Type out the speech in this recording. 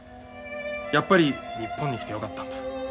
やっぱり日本に来てよかった。